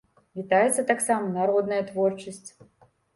Вітаецца таксама народная творчасць.